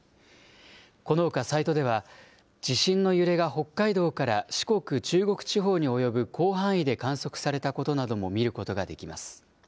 このほかサイトでは地震の揺れが北海道から四国、中国地方に及ぶ広範囲で観測されたことなども見ることができます。